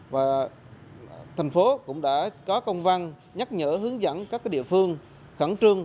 và thành phố cũng đã có công văn nhắc nhở hướng dẫn các địa phương khẩn trương